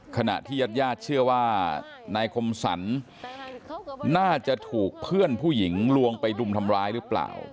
ขณะที่ญาติญาติเชื่อว่านายคมสรรน่าจะถูกเพื่อนผู้หญิงลวงไปดุมทำร้ายหรือเปล่า